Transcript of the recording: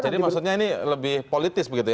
jadi maksudnya ini lebih politis begitu ya